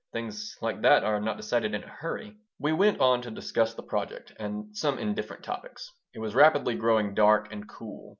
Things like that are not decided in a hurry." We went on to discuss the project and some indifferent topics. It was rapidly growing dark and cool.